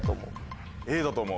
Ａだと思う。